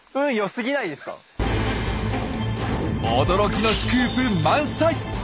驚きのスクープ満載！